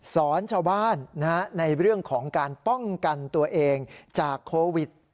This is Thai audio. สอนชาวบ้านในเรื่องของการป้องกันตัวเองจากโควิด